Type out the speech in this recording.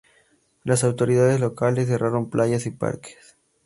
Las autoridades locales cerraron playas y parques.